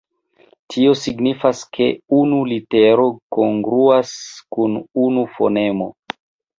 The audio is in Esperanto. Tio signifas ke unu litero kongruas kun unu fonemo.